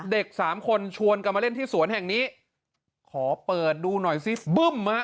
เด็กสามคนชวนกันมาเล่นที่สวนแห่งนี้ขอเปิดดูหน่อยซิบึ้มฮะ